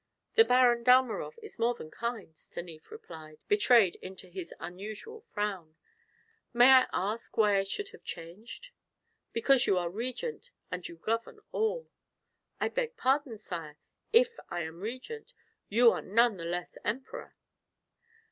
"The Baron Dalmorov is more than kind," Stanief replied, betrayed into his unusual frown. "May I ask why I should have changed?" "Because you are Regent, and you govern all." "I beg pardon, sire; if I am Regent, you are none the less Emperor."